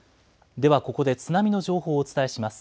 ではここで津波の情報をお伝えします。